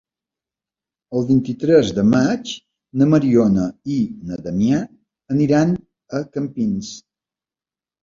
El vint-i-tres de maig na Mariona i na Damià aniran a Campins.